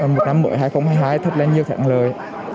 một năm mới hai nghìn hai mươi hai thật là nhiều thẳng lời